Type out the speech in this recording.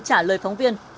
trả lời phóng viên